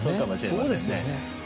そうですよね。